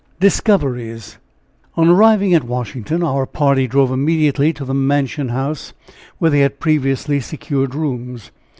DISCOVERIES. On arriving at Washington, our party drove immediately to the Mansion House, where they had previously secured rooms.